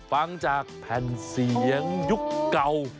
ฟังจากแผ่นเสียงยุคเก่า